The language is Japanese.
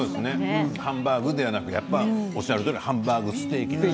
ハンバーグではなくおっしゃるとおりハンバーグステーキ。